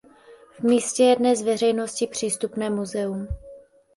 V místě je dnes veřejnosti přístupné muzeum.